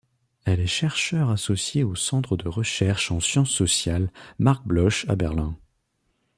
Elle est chercheure associée au centre de recherches en sciences sociales Marc-Bloch à Berlin.